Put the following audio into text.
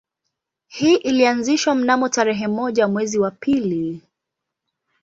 Hii ilianzishwa mnamo tarehe moja mwezi wa pili